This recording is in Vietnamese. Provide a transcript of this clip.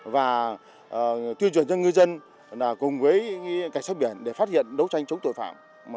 và tuyên truyền cho ngư dân cùng với cảnh sát biển để phát hiện đấu tranh chống tội phạm